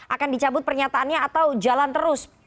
akan dicabut pernyataannya atau jalan terus